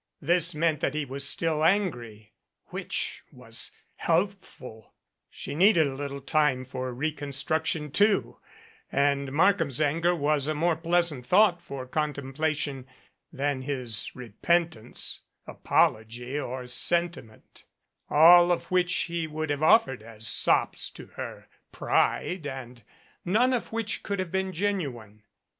This meant that he was still angry which was healthful. She needed a little time for reconstruction, too, and Markham's anger was a more 95 MADCAP pleasant thought for contemplation than his repentance, apology or sentiment, all of which he would have offered as sops to her pride, and none of which could have been genuine.